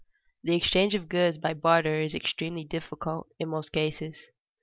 _The exchange of goods by barter is extremely difficult in most cases.